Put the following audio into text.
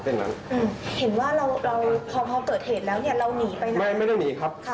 อืมเห็นว่าเราเราพอพอเกิดเหตุแล้วเนี่ยเราหนีไปไหนไม่ได้หนีครับค่ะ